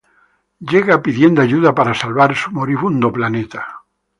Llega pidiendo ayuda para salvar su moribundo planeta.